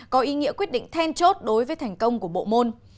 có ý nghĩa quyết định then chốt đối với thành công của bộ môn